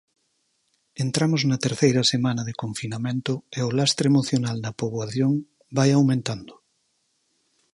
Entramos na terceira semana de confinamento e o lastre emocional na poboación vai aumentando.